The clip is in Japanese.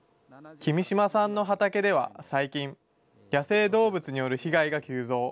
君島さんの畑では最近、野生動物による被害が急増。